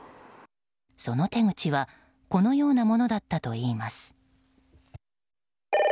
その手口はこのようなものだったといいます。